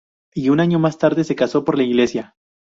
Y un año más tarde, se casó por iglesia.